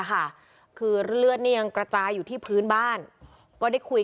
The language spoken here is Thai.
ค่ะคือเลือดนี่ยังกระจายอยู่ที่พื้นบ้านก็ได้คุย